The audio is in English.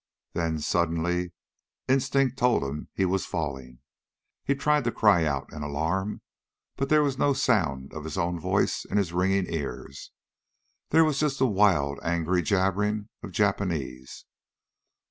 Then, suddenly, instinct told him that he was falling. He tried to cry out in alarm, but there was no sound of his own voice in his ringing ears. There was just the wild, angry jabbering of Japanese.